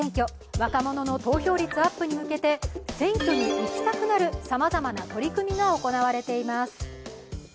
若者の投票率アップに向けて選挙に行きたくなるさまざまな取り組みが行われています。